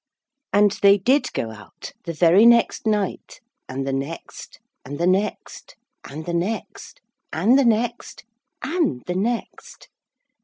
And they did go out. The very next night, and the next, and the next, and the next, and the next, and the next.